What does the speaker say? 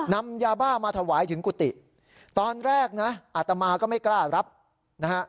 นำยาบ้ามาถวายถึงกุฏิตอนแรกนะอาตมาก็ไม่กล้ารับนะฮะ